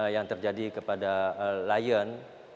yang terjadi kepada lion